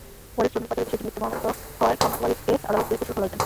পরে শ্রমিক পাচারের বিষয়টি মিথ্যা প্রমাণিত হওয়ায় খামারমালিককে আদালত বেকসুর খালাস দেন।